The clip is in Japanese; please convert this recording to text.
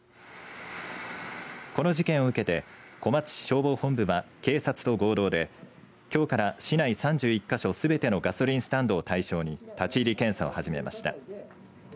この事件を受けて小松市消防本部は警察と合同できょうから市内３１か所すべてのガソリンスタンドを対象に立ち入り検査を始めました。